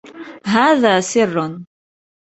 هذا سر.